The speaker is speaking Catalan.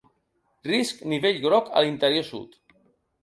Risc nivell groc a l'interior sud.